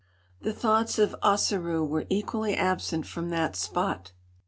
The thoughts of Ossaroo were equally absent from that spot.